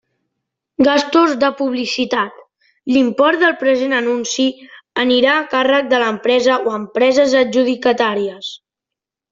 Gastos de publicitat: l'import del present anunci anirà a càrrec de l'empresa o empreses adjudicatàries.